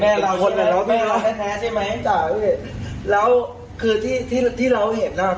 เราคนไหนเราแม่เราแท้แท้ใช่ไหมจ้ะพี่แล้วคือที่ที่ที่เราเห็นอ่ะ